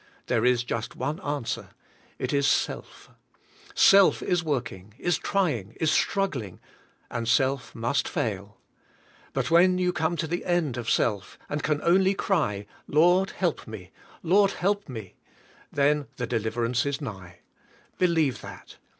There is just one answer: It is self. Self is working; is trying; is struggling, and self must fail. But when you come to the end of self and can only cry, "Lord, help me! Lord, help me!" — then the deliverance is nigh; believe that.